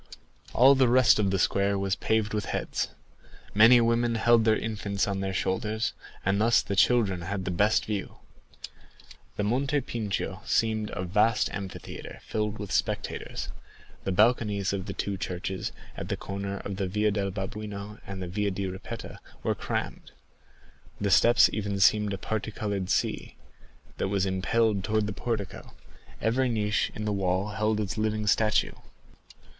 All the rest of the square was paved with heads. Many women held their infants on their shoulders, and thus the children had the best view. The Monte Pincio seemed a vast amphitheatre filled with spectators; the balconies of the two churches at the corner of the Via del Babuino and the Via di Ripetta were crammed; the steps even seemed a parti colored sea, that was impelled towards the portico; every niche in the wall held its living statue.